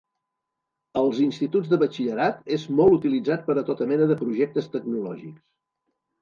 Als instituts de batxillerat és molt utilitzat per a tota mena de projectes tecnològics.